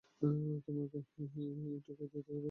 তোমার এঁটো কে খেতে যাবে?